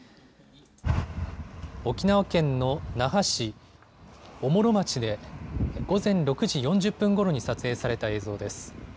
沖縄県の那覇市おもろまちで午前６時４０分ごろに撮影された映像です。